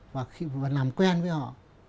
và làm quen với họ